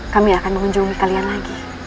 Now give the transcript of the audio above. kami akan mengunjungi kalian lagi